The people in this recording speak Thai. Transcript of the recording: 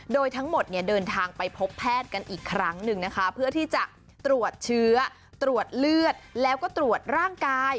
โดยทั้งหมดเนี่ยเดินทางไปพบแพทย์กันอีกครั้งหนึ่งนะคะเพื่อที่จะตรวจเชื้อตรวจเลือดแล้วก็ตรวจร่างกาย